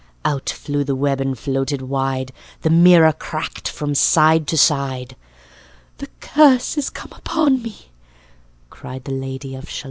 Out flew the web, and floated wide, The mirror cracked from side to side, 'The curse is come upon me," cried The Lady of Shalott.